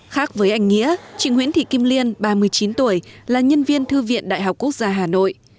khác với anh nghĩa chị nguyễn thị kim liên ba mươi chín tuổi là nhân viên thư viện đại học quốc gia hà nội